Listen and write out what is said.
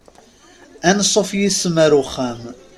Ansuf yes-m ar uxxam.